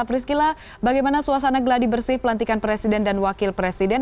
priscila bagaimana suasana gladibersih pelantikan presiden dan wakil presiden